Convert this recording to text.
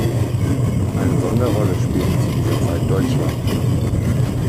Eine Sonderrolle spielte zu dieser Zeit Deutschland.